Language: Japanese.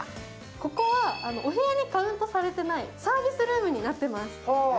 ここはお部屋にカウントされていないサービスルームです。